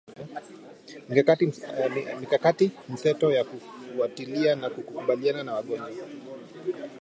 mikakati mseto ya kufuatilia na kukabiliana na magonjwa